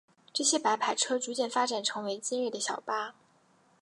这些白牌车逐渐发展成为今日的小巴。